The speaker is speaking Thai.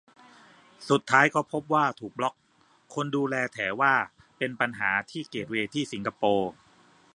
สุดท้ายพบว่าถูกบล็อค คนดูแลแถว่าเป็นปัญหาที่เกตเวย์ที่สิงคโปร์